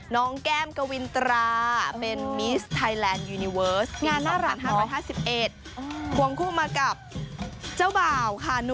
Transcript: น้องแก้มกวินตรา